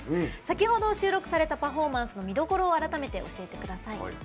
先ほど収録されたパフォーマンスの見どころを改めて教えてください。